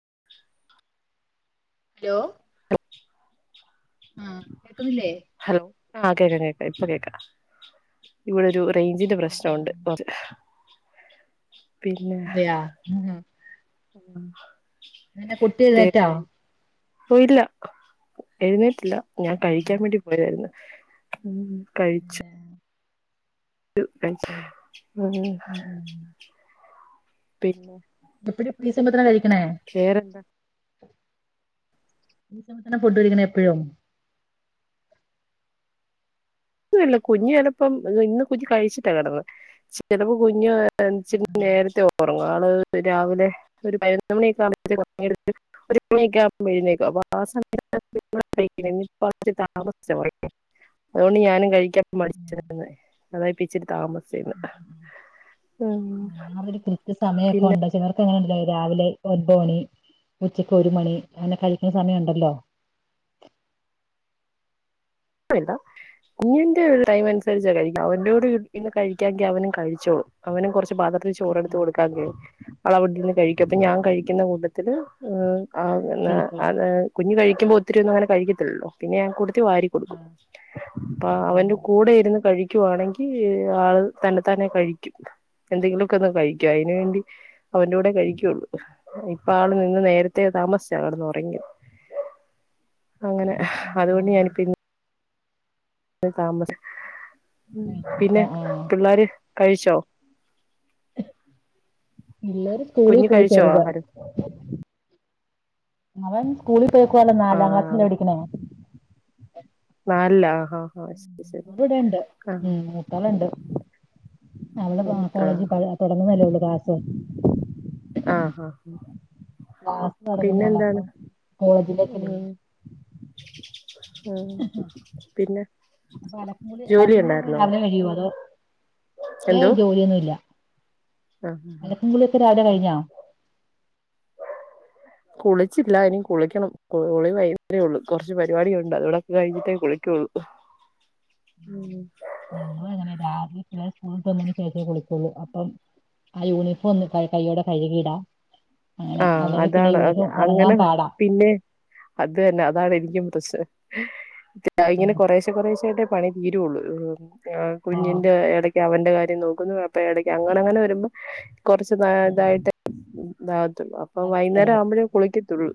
[inaudible] Hello ആ കേക്കുന്നില്ലേ hello ആ കേക്കാം ഇപ്പൊ കേക്കാ ഇവിടെ ഒരു റേഞ്ചിന്റെ ആ ആ പ്രശ്നമുണ്ട് [inaudible] അതെയൊ ഉം പിന്നെ കുട്ടി എഴുന്നേറ്റൊ പോയില്ല എഴുന്നേട്ടില്ല ഞാൻ ഉം ഉം കഴിക്കാൻ വേണ്ടി പോയതായിരുന്നു ഉം കഴിച്ചു അതെല്ലേ ഉം ഉം പിന്നെ എപ്പഴും ഈ സമയത്താണോ കഴിക്ക്ണെ പേരെന്താ ഈ സമയത്താണോ ഫുഡ് കഴിക്കണ എപ്പഴും ഒന്നുല്ല കുഞ്ഞ് ചെലപ്പം ഇന്ന് കുഞ്ഞ് കഴിച്ചിട്ട കെടന്നേ ചെലപ്പോ കുഞ് ഇച്ചിരി നേരത്തെ ഒറ- ആള് രാവിലെ ഒരു പതിനൊന്ന് മണിയൊക്കാകുമ്പത്തേക്ക് ഒറങ്ങിട്ട് ഒരു മണി ആകുമ്പഴേക്ക് എഴുന്നേൽക്കും [inaudible] ഞാനും കഴിക്കാ മടിച്ചെ അതായി ഇച്ചിരി താമസച്ചെ ഇന്ന് ആ ഞാനരു കൃത്യ സമയമൊക്കൊണ്ട് ചിലർക്കങ്ങനെ ഉണ്ട് രാവിലെ ഒൻപത് മണി ഉച്ചക്ക് ഒരു മണി അങ്ങനെ കഴിക്കണ സമയണ്ടല്ലോ ല്ല കുത്തിന്റെ ഒരു ടൈമനുസരിച്ച കഴിക്ക അവന്റെയോട് ഇരുന്ന് കഴിക്കാങ്കി അവനും കഴിച്ചോളൂ അവനും കൊറച്ച് പാത്രത്തി ആ ചോറെടുത്ത് ആ കൊടുക്കാങ്കിലേ ആളവിടിരുന്നു കഴിക്കും അപ്പൊ ഞാൻ കഴിക്കുന്ന കൂട്ടത്തില് കഴിച്ചോളൂ [unintelligible] കുഞ്ഞ് കഴിക്കുമ്പോ ഒത്തിരിയൊന്നും അങ്ങനെ കഴിക്കത്തില്ലല്ലോ പിന്നെ ഞാൻ കൂട്ടത്തി വാരികൊ ആ അപ്പ അവന്റ കൂടെ ഇരുന്ന് കഴിക്കുവാണെങ്കി ആള് തന്നതാനെ കഴിക്കും എന്തെങ്കിലുക്കെന്ന് കഴിക്കും അയ്ന് വേണ്ടി അവന്റൂടെ കഴിക്കുള്ളൂ ഇപ്പൊ ആള് ഇന്ന് നേരത്തെ താമസിച്ചാണ് കെടന്നൊറങ്ങിയത് അങ്ങനെ അതുകൊണ്ട് ഞാനിപ്പന്ന്- അ താമസ പിന്നെ ആഹ് ആഹ് പിള്ളാര് കഴിച്ചോ പിള്ളേര് സ്കൂളിൽ കുഞ്ഞു പോയി കഴിച്ചോ ചെറുത് ആഹാരം അവൻ സ്കൂളിൽ പോയേക്കുവ നാലാം ക്ലാസ്സിലാ ആഹ് പടിക്കണെ ആ അല്ല ആ ആ ശരി ശരി അവളിവിടെണ്ട് ആ ഉം മൂത്താളുണ്ട് അവള് കോളേജ് തുടങ്ങുന്നല്ലയുള്ളൂ ക്ലാസ് അ അ ക്ലാസ് തൊടങ്ങുന്നേള്ള് അപ്പം കോളേജിലേക്കല്ലേ ആ പിന്നെ അപ്പൊ അലക്കൂ കുളി ജോലി അലക്കും കുളിയൊക്ക ഉണ്ടായിരുന്നോ രാവിലെ കഴിയോ അതോ ഏ എന്തോ ജോലിയൊന്നുല്ല ആഹ് അലക്കും കുളിയൊക്കെ രാവിലെ കഴിഞ്ഞോ കുളിച്ചില്ല ഇനി കുളിക്കണം കുളി വൈകുന്നേരെ ഉള്ളു കൊറച്ച് പരിപാടിയൊക്കെ ഒണ്ട് അതുടെക്കെ കഴിഞ്ഞിട്ടേ കുളിക്കുള്ളൂ ഉം ഞങ്ങള്ങ്ങനെയ രാത്രി പിള്ളേര് സ്കൂള് വിട്ട് വന്നിട്ടേ കുളിക്കൂള്ളൂ അപ്പം ആ യൂണിഫോം ഒന്ന് ക കയ്യോടെ കഴുകിടാം ആ അതാണ് അങ്ങനെ പാടാ പിന്നെ അത് തന്നെ അതാണ് എനിക്കും പ്രശ്നം ഇങ്ങനെ കൊറേശ കൊറെശ ആയിട്ടേ പണി തീരുള്ളൂ. ആ ആഹ് കുഞ്ഞിന്റെ ഇടയ്ക്ക് അവൻ ന്റെ കാര്യം നോക്കുന്നുപ്പയടക്ക അങ്ങനെങ്ങനെ വരുമ്പ കുറച്ചു തായിട്ട് ത് അപ്പ വൈന്നേരം ആവുമ്പോഴേ കുളിക്കത്തുള്ളൂ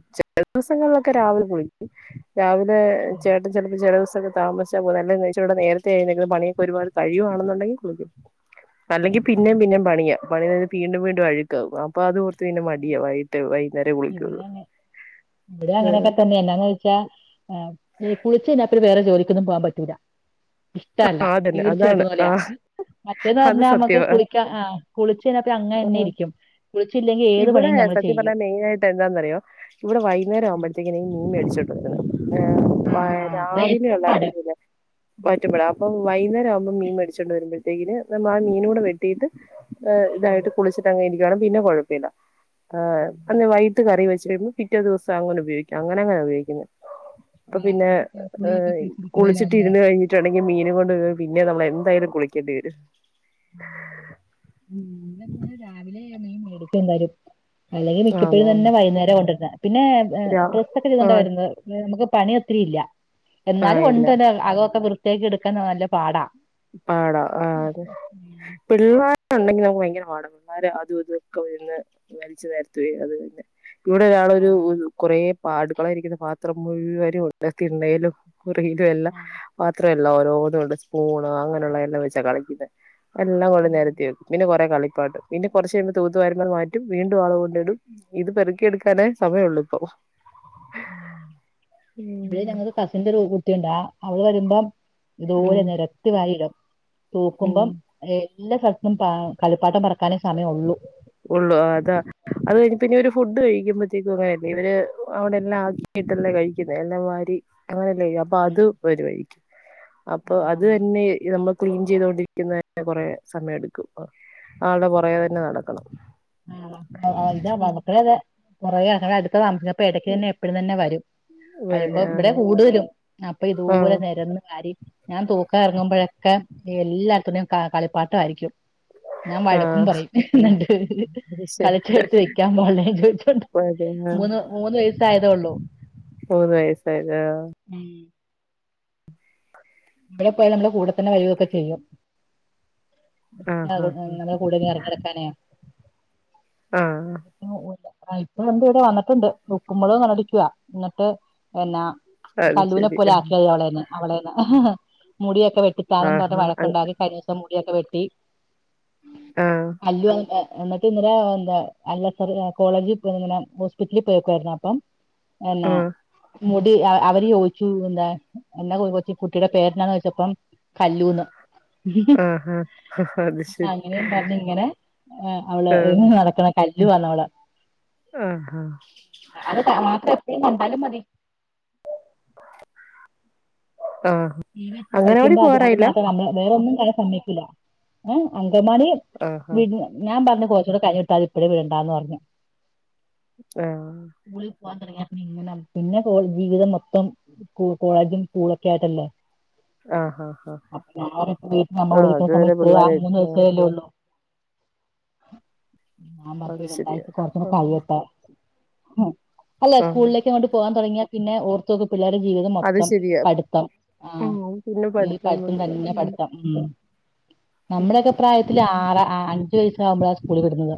ദിവസങ്ങളിലൊക്കെ രാവിലെ കുളിക്കും രാവിലെ ചേട്ടൻ ചിലപ്പോ ചിലസോം താമസാ കൊറേ എന്നെ ഇടെ നേരത്തെ എഴുനേച്ചു പണിയൊക്കെ ഒരുപാട് നേരെത്തെ കഴിയവാണെന്നുണ്ടെിൽകുളിക്കും അല്ലെങ്കിൽ പിന്നേം പിന്നേം പണിയാ പണിത് വീണ്ടും വീണ്ടും അഴുക്കാവും അപ്പൊ അത് ഓർത്ത് പിന്നെ മടിയ വൈകിട്ട് വൈകുന്നേരേ കുളിക്കുള്ളൂ ഇവിടെ അങ്ങനെ ഇവിടെ അങ്ങനെയൊക്കെ തന്നെ എന്നാന്ന് വെച്ചാഇ കുളിച്ച്കഴിഞ്ഞപിന്നെ വേറോരു ജോലിക്കൊന്നും പോകാൻ പറ്റൂല ഇഷ്ടല്ല ആ അതന്നെ അതാണ് തീർച്ചയെടുക്കുന്ന ആ പോലയ മറ്റേന്ന് അത് പറഞ്ഞാൽ നമ്മക്ക് സത്യവാ കുളിക്കാ അ കുളിച്ചയിഞ്ഞ പിന്ന അങ്ങന്നെ ഇരിക്കും കുളിച്ചയ്യ്ഞ്ഞാ. ഇവിടെ സത്യം പറഞ്ഞാൽ മെയിനായിയിട്ട് എന്താന്നറിയോ ഇവിടെ വൈന്നേരം ഉം ആവുമ്പോഴത്തേന് ഈ മീൻ മേടിച്ചോണ്ട് വരുന്നേ ആ എ അതാ ഏറ്റവും രാവിലെയുള്ള പാട് ഇതില അപ്പ വൈകുന്നേം ആവുമ്പോ മീൻ മടിച്ചൊണ്ട് വരുമ്പോഴത്തേക്ക് നമ്മ ആ മീനൂടെ വെട്ടിട്ട് ഉം ഇതായിട്ട് കുളിച്ചിട്ട് അങ്ങെ ഇരിക്കും പിന്നെ കുഴപ്പല്ല ആ അന്ന് വൈട്ട് കറി വെച്ച് കഴിയുമ്പോൾ പിറ്റേ ദിവസം അങ്ങനെ ഉപയോഗിക്കും അങ്ങനെ അങ്ങനെ ഉപയോഗിക്കുന്നെ അപ്പൊ പിന്നെ കുളിയൊക്കെ ഏഹ് പിടിച്ചിരിക്കുവല്ലോ കുളിച്ചിട്ട് അല്ലേ ഇരുന്ന് കഴിഞ്ഞി ഇുണ്ടെങ്കിൽ മീൻ കൊണ്ട് പോരുമ്പോ പിന്നെ നമ്മള എന്തായാലും കുളിക്കേണ്ടി വരും ഇങ്ങെ രാവിലെ മേടിക്ക് എന്തായാലും അല്ലെങ്കിൽ ആണോ മിക്കപ്പോഴും തന്നെ വൈകുന്നേരം കൊണ്ടരുന്നെ പിന്നെ രാ പ്രസ് ഒക്കെ ചെയ്തുകണ്ട ആഹ് വരുന്നത് നമുക്ക്. പണി ഒത്തിരി ഇല്ല എന്നാലും ആഹ് ഇല്ല ഒണ്ട് തന്നെ അകൊക്കെ വൃത്തിയാക്യടുക്കാ നല്ല പാടാ പാട ആ അതെ ഉം പിള്ളേരു ഉണ്ടെങ്കി നമുക്ക് ഭയങ്കര പാട പിള്ളേർ അതും ഇതൊക്കെ വീട്ടി വലച്ചു വാരി അത്. ന്നെ [unintelligible] ഇവിടെ ആ ഒരാളൊരു കുറെ പാടുകളായിരിക്കുന്ന പാത്രം മുഴുവരും ഉണ്ടത്തി തിണ്ണേലും റീലും എല്ലാം ആ പാത്രം എല്ലാം ഓരോന്നുംണ്ട് സ്പൂണ് അങ്ങനെയുള്ള എല്ലാം വെച്ചാ കളിക്കുന്നെ എല്ലാം കൊണ്ട് ഉം നേരത്തി വെക്കും പിന്നെ കുറെ കളി പിന്നെ കുറച്ച കഴുമ്പോൾ തൂത്തുവരുമ്പോ മാറ്റും വീണ്ടും ആളു കൊണ്ട ഇടും ഇത് പെറക്കിയെടുക്കാനേ സമയമള്ളൂ ഇപ്പൊ. ഇബടെ ഞങ്ങള്ക്ക് കസിന്റ ഒരു കുട്ടിയുണ്ട് ആ അവള് വരുമ്പം ഇതുപോല ഉം നെരത്തി വായിടും ഉം തൂക്കുമ്പം എല്ലാ സ്ഥലത്തും കളിപ്പാട്ടം പറക്കാനേ സമയ ഉള്ളു ഉള്ളൂ അതാ, അത് കഴിഞ്ഞ പിന്നെ ഒരു ഫുഡ് കഴിക്കുമ്പഴത്തേക്കും അങ്ങനെയല്ല ഇവര് അവിടെ എല്ലാം ആക്കിയിട്ടല്ലേ കഴിക്കുന്നത് എല്ലാ വാരി അങ്ങനല്ലേ അപ്പൊ ഉം. അത് വരുവാരിക്കും ആ, അപ്പൊ ആ, അത് തന്നെ നമ്മ ക്ലീൻ ചെയ്തോണ്ടിരിക്കുന്നെ കൊറെേ സമയം എടുക്കും. ആൾടെ പുറകെ തന്നെ നടക്കണം. ആ അവടെത കൊറ അ അടുത്ത ത പ്പ ഇടയ്ക്ക് തന്നെ എപ്പഴും തന്നെ വരും വേറെ വരുമ്പോ ഇവിടെ കൂടുതലും അപ്പൊ ഇതുപോല ആഹ് നെരന്ന് കാര്യ ഞാൻ തൂക്ക ഇറങ്ങുമ്പോഴൊക്കെ എല്ലാർത്തു ടെയും കളിപ്പാട്ടയിരിക്കും ഞാൻ വഴക്കും ആഹ് പറയും രണ്ട് ഹ് ഹ് ശരി കളിച്ചെ ടുത്ത് വെക്കാൻ പോട്ടേ ചോദിച്ചോണ്ട് മൂന്ന് മൂന്ന് വയസ്സായതേ ഉള്ളു മൂന്ന് വയസ്സായതാ മം ഇവിടെ പോയാൽ നമ്മുടെ കൂടെത്തന്നെ വരു ഒക്കെ ചെയ്യും ആഹ് ങ്ങളെ കൂടെ എരഞ്ഞെടുക്കാനെ ആഹ് ആഹ് [unintelligible] ഇപ്പൊ എന്ത് ഇവിടെ വന്നിട്ടുണ്ട് ഉക്കുമ്പോളും കണ്ടടിക്കുവാ എന്നിട്ട് എന്നാ അത് കല്ലൂവിനെ ശരി പോലെ ആക്കിയത് അവളേന്ന് അവളേനെ ഹ് ഹ് മുടിയൊക്കെ വെട്ടിത്താന്നും പറഞ്ഞ് ആഹ് ആഹ് വഴക്കുണ്ടാക്കി കഴിഞ്ഞവസം മുടിയൊക്കെ വെട്ടി ആഹ് അല്ലു എ എന്നിട്ട് ഇന്നലെ എന്താ അല്ല സർ കോളേജിൽ ഇങ്ങനെ ഹോസ്പിറ്റലിൽ പോയിക്കായിരുന്നു അപ്പം. എന്നാ ആഹ് മുടി അ അവര് ചോദിച്ചു ന്താ എന്ന ഓചു കുട്ടിടെ [unintelligible] പേരെനാന്ന് ചോതിച്ചപ്പേ കല്ലൂന്ന് മ് മം ആഹ് ആഹ് അത് ഹ് ശരി അങ്ങനേം പറഞ് ങ്ങനെ അവള് ഹ്‌ [unintelligible] ആഹ് ഹ് നടക്ന്ന [unintelligible] ആഹ് അ ആ.. [unintelligible] ഇപ്പഴും കണ്ടാലും മതി ആഹ് ീ വക് അങ്ങനവാടി വക്കുമ്പോ അത് അത് പോവാറായില്ല മാത്ര [unintelligible] വേറെൊന്നും [unintelligible] സമൈക്കില്ല അമ് അങ്കമാണി ആഹ് വിട് ഞാൻ പറഞ്ഞ പോച്ച കൂ കഞ്ഞി വിട്ടാ അ ഇപ്പോഴെ വിടണ്ടാന്നറഞ്ഞു ആഹ... പോവാൻ തോടങ്ങ്യ പിണങ്ങന പിന്നെ ജീവിതം മൊത്തം കോളേജും സ്കൂളൊക്കെ ആയിട്ടല്ലേ ആഹ് ആഹ് ആഹ് അപ്പൊ അതുവരെ പിള്ളേരെ ആഹ് [unintelligible] മ്മ [unintelligible] അത് ശരിയാ വീടെണ്ടായി കൊറത്തന്ന ആഹ് കഴിയട്ടെ ഹ്, അല്ല ആഹ് സ്കൂളിലേക്ക് കൊണ്ട് പോകാൻ തുടങ്ങിയാൽ പിന്നെ [unintelligible] പിള്ളേരുടെ ജീവിതം അത് മൊത്തം ശരിയാ പഠിത്തം ആഹ ഉം പിന്നെ ഈ പഠിത്തം പഠിത്തും പഠിത്തം തന്നെ ഉം പഠിത്തം ഉം നമ്മുടെയൊക്കെ പ്രായത്തില് ആറ അഞ്ചു വയസ ആകുമ്പോഴാ സ്കൂള് വിടുന്നത്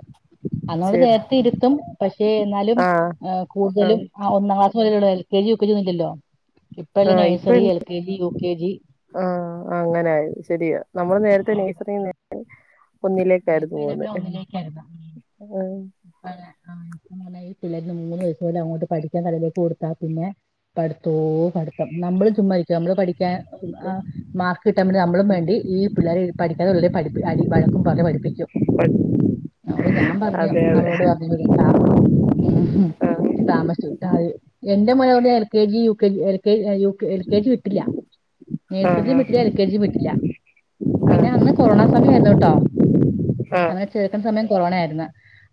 [unintelligible] ശരി നേരത്തെ ഇരുത്തും പക്ഷേ എന്നാലും ആഹ് ആ കൂടുതലും ആഹ് ആ ഒന്നാം [unintelligible] L. K. G, U. K. G. ഒന്നുലില്ലലോ ഇപ്പല്ലേ nursery, L. K. G, U. K. G ആഹ അങ്ങനെയത് ശരിയാ നമ്മള് നേരത്തെ [unintelligible] പോകുന്നെ [unintelligible] ഒന്നിലേക്കായിുന്ന [inaudible] ആഹ ഇപ്പ പറഞ്ഞഈ പിള്ളേര് മൂന്ന് വയസ്സ് പോലെ അങ്ങോട്ട് പഠിക്കാൻ കടയിലേക്ക് കൊടുത്താ പിന്നെ പഠത്ത പോവും നമ്മ ചുമ്മാ ഇരിക്കിയ പഠാൻ മാർക്ക് കിട്ടാൻ വേണ്ടി നമ്മളും വണ്ടി ഈ പിള്ളേരെ ഠഠ [unintelligible] വഴക്കും പോലെ പഠിപ്പിക്കും അവൾ ഞാൻ പറഞ്ഞു അതെ അതെ അവരോട് പറഞ്ഞു വിരണ്ടാ മ്‌ഹ് ആഹ് താമസ്ച്ട്ട എന്റെ [unintelligible] L. K. G. U. K. G [inaudible] U. K, L. K. G. വിട്ടില്ല നേഴ്സറിം ആഹ് വിട്ടില്ല എൽ. കെ. ജി. യും വിട്ടില്ല പിന്നെ ആഹ് അന്ന് കൊറോണ സമയയിരുന്നു കേട്ടോ അവനെ ചോർക്കുന്ന സമയത്ത് കെറോണ ആയിരുന്നു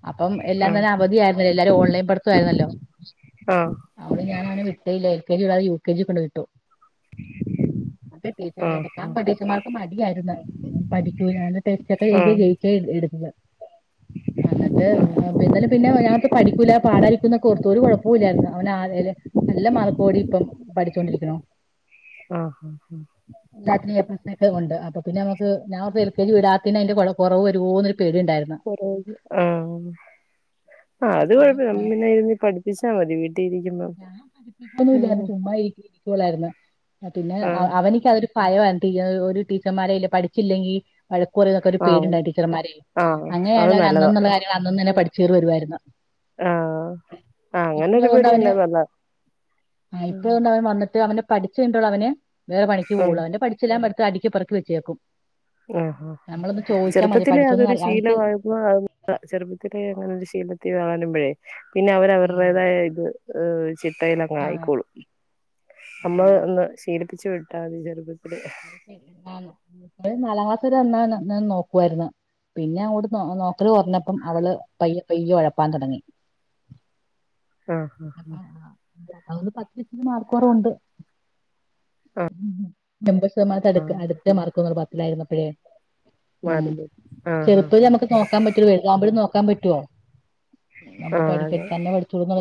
അപ്പം എല്ലാം തന്നെ അവധിയായിരുന്നല്ലോ എല്ലാരും ഓൺലൈൻ പടുത്തായിരുന്നാലോ ആഹ് ആഹ് അവള് ഞാൻ [unintelligible] വിട്ടീല്ലേ എൽ. കെ. ജി വിടാതെ യു. കെ. ജി കൊണ്ട് വിട്ടു [unintelligible] ീച്ചറെ ആഹ് എടുക്കാൻ ആഹ് ഠീിച്ചമാർക്ക് മടിയായിര്ന്ന് [unintelligible] [unintelligible] ആഹ് ആഹ് ആഹ് ആഹ് ആ ന്നിട്ട് -പിനല്ല പിന്നെ ഞാന ഓൺ പഠിക്കൂില്ല, പാടാരിക്കുംനോക്കെ ഓർ ത്തു ഒരു കൊഴപ്പവും ഇല്ലായിരുന്നു അവൻ ആ -ൽ നല്ല മാർക്ക് ഓടി ഇപ്പം പാടിച്ചുകൊണ്ടിരിക്കുന്നു ആഹ് എല്ലാറ്റിനെപ്ലസക്കെഒണ്ട് -അപ് [unintelligible] അപ്പപിന്ന നമക്ക് ഞാപ് എൽ. കെ. ജി വിടാത്തിന്ന് അയിന്റെ കൊറ കൊറവെരോന്നു [unintelligible] ആമ് ആ അത് കുഴപുല പിന്നെ ഇരുന്ന് പഠിപ്പിച്ചാമതി വീട്ട ഞാൻ പഠപ്പിക്കന്നുല്ലായിരുന്നു ചുമ്മാ ഇരിക്കി ഇരിക്കുവലായിരന്നു പിന്നെഅ ആഹ് അവനക്കഅതൊരു ഭയമായി ഒരു ടി ടീച്ചർമാര അല്ല പഠിച്ചില്ലെങ്കി വഴക്ക് [unintelligible] ആഹ് പേടിണ്ടാർന്നു ടീച്ചർമാരെ, ആഹ് അത് അങ്ങനെയാണെങ്ക നല്ലതാ അന്നന്നുള്ള കാര്യങ്ങള് അന്നന്ന് തന്നെ പഠിചോര് വരുവായിരുന്നു ആഹ് ആ അവന് [unintelligible] ആ ഇപ്പോ അവൻ വന്നിട്ട് അവനെ പഠിച്ചു [unintelligible] കൈനിട്ടേ ഉള്ളൂ അവന് വേറെ പണിക്ക് പോകുള്ളൂ അവന്റെ പഠിച്ചെല്ലാം പടുത്ത് അടുക്കി പൊറുക്കി വെച്ചേക്കും. ആഹ ആഹ ആ നമ്മളൊന്ന് ചോദിച്ചാൽ മതി ചെറുപ്പത്തിലെ അതൊരു പഠിച്ചൊന്നും ശീല അവനിക്ക് ആയപ്പോ [unintelligible] ചെറുപ്പത്തിലെ അങ്ങനെ ഒരു ശീലത്തിൽ വളർത്തി മ്പഴേ പിന്നെ ഉം. അവരവരുടേത് ആയ ഇത് [unintelligible] ആ ചിട്ടയിലങ്ങായിക്കോളും ആ നമ്മള് ഒന്ന് ശീലിപ്പിച്ച് വിട്ടാൽ മതി [unintelligible] ആന്ന് ഒര് നാലാംക്ലാസരെ അന്ന എന്നന്ന് ഞാ നോക്വർന്ന് പിന്നെ അവിടെന്ന് നോക്കല് കുറഞ്ഞപ്പം അവള് പയ്യ പയ്യ ഒഴപ്പാൻ തുടങ്ങി ഉ അപ്പ ആഹ അ പത്ത് ലന് മാർക്കൊറവുണ്ട് ആഹ് അടു അടുത്ത മർക്കന്ന പത്തിലായിനരുന്നപ്പഴേ ഉം മാറി കിട്ടും ആഹ് ചെറുപ്പം ആഹ് നമുക്ക് നോക്കാൻ പറ്റൂ വലുതാമ്പോഴും നോക്കാൻ പറ്റുവോ നമ്മള് ആഹ് പഠിക്ക അതെ തന്നെ പഠിച്ചോന്ന്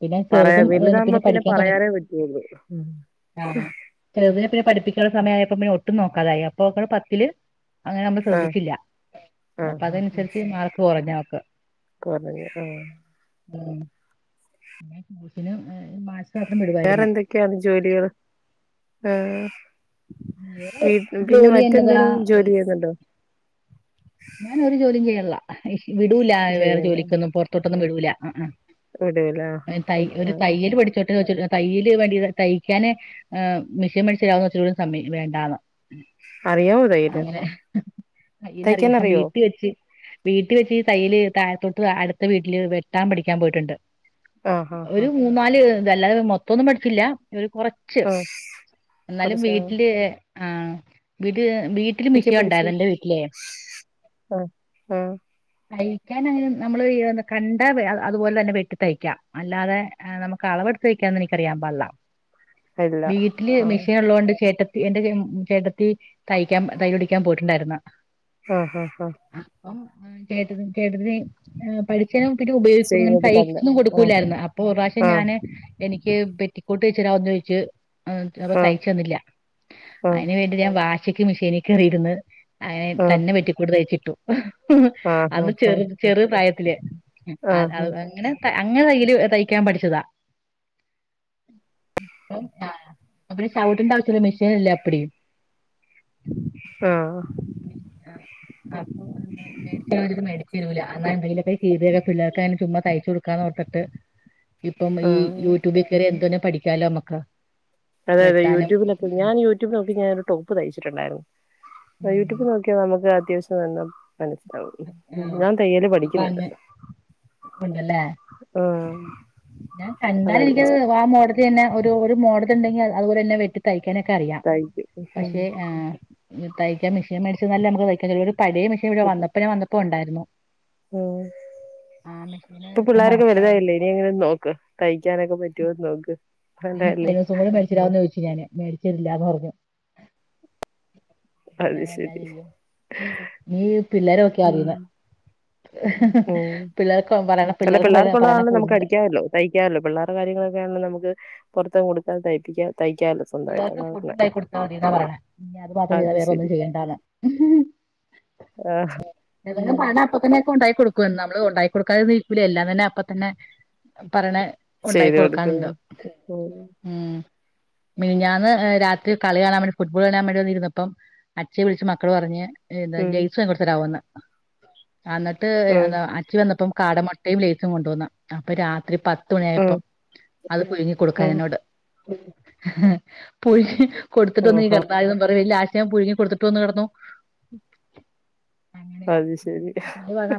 പിന്നെ പറയാ ചെറുതും വലുതാകുമ്പോ പിന്നെ പഠിക്കാൻ തുടങ്ങി പറയാനേ പറ്റുള്ളൂ ആഹ് ആ ചിലതിനെ പിന്നെ പഠിപ്പിക്കാനുള്ള സമയ ആയപ്പോ പിന്നെ ഒട്ടും നോക്കാതായി അപ്പോ പത്തില് അങ്ങനെ നമ്മൾ ശ്രദ്ധിച്ചില്ല ആഹ് അപ്പൊ ആഹ് അതനുസരിച്ച് മാർക്ക് കുറഞ്ഞ അവൾക് കൊറേ ആഹ് മനസ്സിലായില്ല വേറെ എന്തൊക്കെയാണ് ജോലികൾ ഏ വേറെ ഈ പിന്നെ ജോലി എന്നതാ മറ്റെന്തോലും ജോലി ചെയ്യുന്നുണ്ടോ ഞാൻ ഒരു ജോലിയും ചെയ്യണില്ല വിടൂല വേറെ ചെയ്യണ്ട ജോലിക്കൊന്നും പുറത്തോട്ടൊന്നും വിടൂല വിടൂല ആഹ് ത ഒരു തയ്യല്‌ പഠിച്ചോട്ടെ തയ്യയില് വേണ്ടി തയ്ക്കാന് മെഷീൻ മേടിച്ചരാവോ ന്ന് ചോദിച്ചിട്ട് സമ്മയ്ക്കു ല വേണ്ടന്ന് അറിയാമൊ തയ്യല് തൈക്കാനറി തയ്യലറിയാം വീട്ടിൽ വെച്ചി വീട്ടിൽ വെച്ച്ഈ തയ്യൽ താഴത്തോട്ട് അടുത്ത വീട്ടില് വെട്ടാൻ പഠിക്കാൻ പോയിട്ടുണ്ട് ആഹ് ആഹ് ഒരു മൂന്നാല് തഅല്ലാതെ മൊത്തം ന്നു പഠിച്ചില്ല ഒരു കുറച്ച് ആഹ് ആഹ് എന്നാലും കൊറച്ച് വീട്ടില് ആ വീട് വീട്ടില് മിഷീൻ ഉണ്ടായത് എന്റെ വീട്ടിലേ ആഹ ആഹ തയ്ക്കാൻ അങ്ങനെ നമ്മള് കണ്ട അതുപോലെ തന്നെ വെട്ടി തയ്ക്കാം അല്ലാതെ നമുക്കളന്ന്‌ വക്കാ എനിക്കറിയാൻ പാടില്ല ഇല്ല വീട്ടില് ആഹ് മെഷീൻ ഉള്ളത് കൊണ്ട് ചേട്ടൻ എന്റെ ചേട്ടത്തി തയ്ക്കാൻ തൈ പടിക്കാൻ പോയിട്ടുണ്ടായിരുന്നു ആഹ് ഹഹ ഹഹ ആ കേട്ട്ണ് കെടതി പഠിച്ചേതിനും പിന്നെ ഉപയോഗിക്ക അങ്ങനെ ചെയ്യുന്നത് കണ്ട് തൈചൊന്നും ആഹ് കൊടുക്കൂല്ലായിരുന്നു അപ്പൊ ഒരു പ്രാവശ്യം ഞാന് എനിക്ക് പെറ്റിക്കോട്ട് ടീച്ചറാവാന്ന് ചോയ്ച്ച് അപ്പൊ ആഹ് തയ്ച്ച തന്നില്ല ആഹ് അതിന് വേണ്ടി ഞാൻ വാ ഉച്ചയ്ക്ക് മിഷീന കയറിയിരുന്ന് അഎൻ ആഹ് തന്നെ പെറ്റിക്കോട്ട്തയ്ച്ചിട്ടു ആഹ് അന്ന് ആഹ് ചെറു ആഹ് ചെറു പ്രായത്തില് ആഹ് അങ്ങനെ അങ്ങനെ തയ്യില് തയ്ക്കാൻ പഠിച്ചതാ ആ അ ചവിട്ടണ്ടാവച്ചല്ലോ മെഷീനല്ലേ അപ്പി ടി ആഹ അപ്പൊ മേടിച്ചത് മേടിച്ചരൂല അതാ എന്ത ശീതയക്കെ പിള്ളേർക്ക് അതിന് ചുമ്മാ തയ്ച്ചു കൊടുക്കാന്നോർത്തിട്ട് ഇപ്പം ഈ ആഹ് യൂട്യൂബിൽ കേയറി എന്തോരം പഠിക്കാലോമ്മക്ക് അതെ അതെ യട്യൂബിലൊക്കെ ഞാൻ യൂടൂബ് നോക്കീട്ട് ഞാനൊരു ടോപ്പ് തയിച്ചിട്ടുണ്ടായിരുന്നു ഉം ഉം യൂട്യൂബിൽ നോക്കിയ നമുക്ക് അത്യാവശ്യം നല്ല മനസിലാവ ആഹ് ഞാൻ തയ്യല് അപ്പൊ പഠിക്കുന്നുണ്ട് അങ്ങ് ഉണ്ടല്ലേ ആ ഞാൻ കണ്ടാലത്എനിക്ക്ആ മോഡല്ത്തന്നെ ഒരു ഒരു മോഡണ്ടെങ്കി അതുപോലെന്നെ വെട്ടിതൈക്കും തയ്ക്കാനൊക്കെ അറിയാം തയ്ക്കും ഉം പക്ഷെ തയ്ക്കാൻ മിഷീൻ മേടിച്ച നല്ല നമുക്ക് തയ്ക്കാൻ കഴിയു പഴയ മെഷീൻ ഇവിടെ വന്നപ്പ ഞാ വന്നപ്പോ ഉണ്ടായിരുന്നു ഉം ആ മെഷീന് ഇപ്പൊ ഇപ്പം പിള്ളോരൊക്കെ വർക്കാവും വലുതായല്ലേ ഇനി അങ്ങനെ നോക്ക് തയ് തൈക്കാനൊക്കെ പറ്റുവോന്ന് നോക്ക് ഈ കഴിഞ്ഞ വേണ്ടല്ലേ ദിവസം കൂടെ മേഡിച്ചുവന്ന് ചോദിച്ചു ഞാന് മേഡിച്ചരൂല്ലന്ന് പറഞ്ഞു പിന്നാ അത് ഞാനെന്നാ ശരി ചെയ്യും നീ പിള്ളേരെ നോക്ക്യാ ഉം മതീന്ന് ഉം പിള്ളേർക്ക് പറയണ അല്ല പിള്ളേർക്ക് പറ പറയണ പിള്ളേർക്കുള്ളതാണല്ലോ നമുക്ക് ഫുഡ് ല് അടിക്കാമല്ലോ തയ്ക്കാമല്ലോ പിള്ളേരുടെ കാര്യങ്ങളൊക്കെ ആണല്ലോ നമുക്ക് പുറത്തും കൊടുക്കാതെ തൈപിക്ക പിള്ളേർക്ക് ഫുഡ് ഉണ്ടാക്കി കൊടുത്താ മതിന്നാ പറയണ ഇനി അത് മാത്രം ചെയ്താ വേറെ ഒന്നും ചെയ്യണ്ടാന്ന്. [unintelligible] ആഹ് ഉം [unintelligible] ഉണ്ടായി കൊടുക്കും നമ്മള് ഒണ്ടായി കൊടുക്കാത ഇക്കൂല എല്ലാം തന്നെ അപ്പ തന്നെ പറയണ ഉണ്ടായി ചെയ്ത് കൊടുക്കും കൊടുക്കാനുണ്ട് ഉം ഉം മിന്ഞാന്ന് രാത്രി കളികാണാൻ വേണ്ടി ഫുട്ബോൾ കാണാൻ വേണ്ടി വന്നിരുന്നപ്പം അച്ചെ വിളിച്ച് മക്കള് പറഞ്ഞ് ഏത ഉം ലെയ്സ് [unintelligible] ത്തരാവോന്ന് അന്നിട്ട് ഉം എന്താ അച്ചി വന്നപ്പം കാടമൊട്ടേം ലേസും കൊണ്ടുവന്ന് അപ്പൊ രാത്രി ത്രി പത്ത് ഉം മണിയായപ്പം അത് ഉം പുയുങ്ങികൊടുക്കാനെന്നോട് പുയ് കൊടുത്തിട്ടൊന്നും ഓഹോ [unintelligible] ഞാൻ പുഴുങ്ങി കൊടുത്തിട്ടു വന്ന് കെടന്നു. അങ്ങനെയ അത് ശരി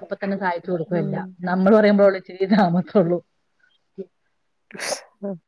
അപ്പ തന്നെ സായിച്ചു കൊടുക്കുവ ഉം എല്ല. നമ്മള് പറയുമ്പോ ഇതമ്മത്തൊള്ളൂ [unintelligible]